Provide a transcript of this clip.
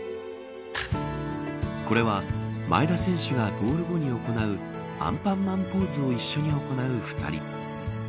これは前田選手がゴール後に行うアンパンマンポーズを一緒に行う２人。